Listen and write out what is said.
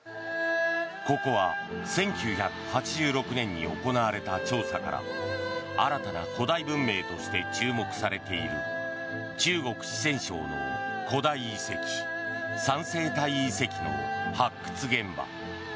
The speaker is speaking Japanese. ここは１９８６年に行われた調査から新たな古代文明として注目されている中国・四川省の古代遺跡三星堆遺跡の発掘現場。